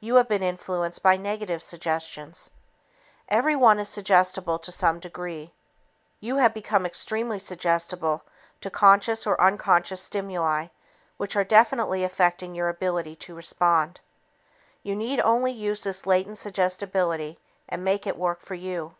You have been influenced by negative suggestions. Everyone is suggestible to some degree. You have become extremely suggestible to conscious or unconscious stimuli which are definitely affecting your ability to respond. You need only use this latent suggestibility and make it work for you.